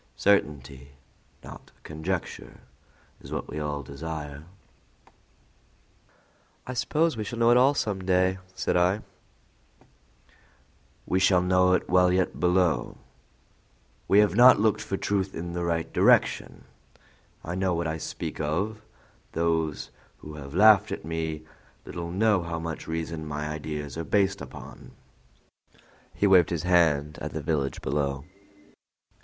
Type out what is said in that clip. Certainty, not conjecture, is what we all desire." "I suppose we shall know it all some day," said I. "We shall know it while yet below," insisted the captain, with a flush of impatience on his thin cheeks. "We have not looked for truth in the right direction. I know what I speak of; those who have laughed at me little know how much reason my ideas are based upon." He waved his hand toward the village below.